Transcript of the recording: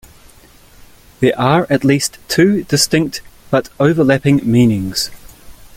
There are at least two distinct, but overlapping meanings.